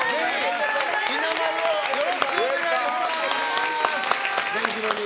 ひなまるをよろしくお願いいたします！